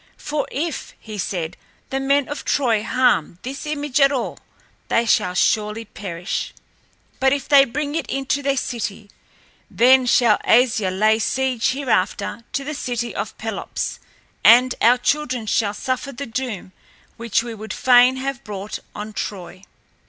For if,' he said, 'the men of Troy harm this image at all, they shall surely perish; but if they bring it into their city, then shall Asia lay siege hereafter to the city of Pelops, and our children shall suffer the doom which we would fain have brought on Troy.'"